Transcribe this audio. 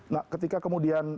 nah ketika kemudian